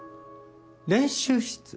練習室？